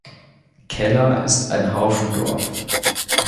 Kella ist ein Haufendorf.